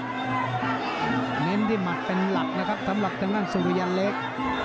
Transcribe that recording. ไว้เนมที่มาดเป็นหลักสำหรับทางนั้นสุริยะเล็ก